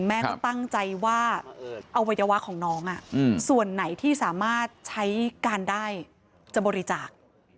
แม่ก็ตั้งใจว่าอวัยวะของน้องส่วนไหนที่สามารถใช้การได้จะบริจาค